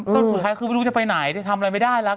ตอนสุดท้ายครึ่งไม่รู้จะไปไหนจะทำอะไรไม่ได้หรอก